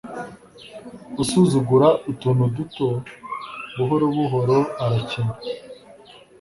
usuzugura utuntu duto buhoro buhoro arakena